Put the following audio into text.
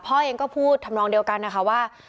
พ่อเองก็พูดทำนองเดียวกันนะคะว่า